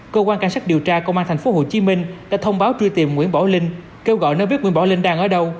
cơ quan cảnh sát điều tra công an tp hcm đã thông báo truy tìm nguyễn bảo linh kêu gọi nếu biết nguyễn bảo linh đang ở đâu